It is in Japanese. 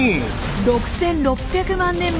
６６００万年前。